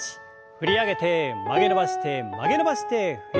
振り上げて曲げ伸ばして曲げ伸ばして振り下ろす。